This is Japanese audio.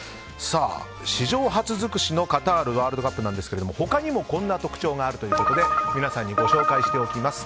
史上初尽くしのカタールワールドカップですが他にもこんな特徴があるということで皆さんにご紹介しておきます。